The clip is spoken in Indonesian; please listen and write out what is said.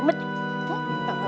betot aja dia